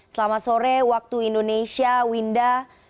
selamat sore waktu indonesia winda